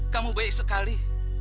kamu baik sekali